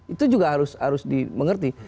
itu juga harus di mengerti